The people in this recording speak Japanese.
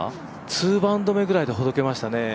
２バウンド目ぐらいでほどけましたね。